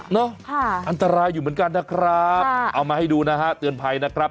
อันตรายอยู่เหมือนกันนะครับเอามาให้ดูนะฮะเตือนภัยนะครับ